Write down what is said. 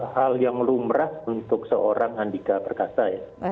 hal yang lumrah untuk seorang andika perkasa ya